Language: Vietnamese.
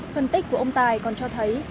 phân tích của ông tài còn cho thấy